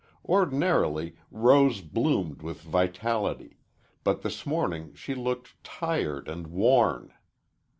Ordinarily Rose bloomed with vitality, but this morning she looked tired and worn.